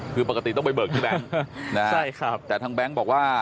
คือปกติต้องมันไปเบิกที่แบงก์แต่ทางแบงก์บอกว่า